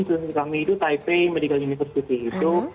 di sekolah kami itu taipei medical university itu